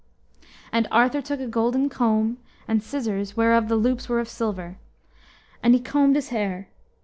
And Arthur took a golden comb, and scissors whereof the loops were of silver, and he combed his hair.